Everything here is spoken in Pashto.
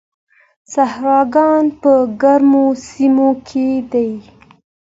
صحراګان په ګرمو سیمو کې دي.